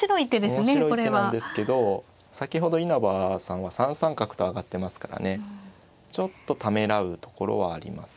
面白い手なんですけど先ほど稲葉さんは３三角と上がってますからねちょっとためらうところはあります。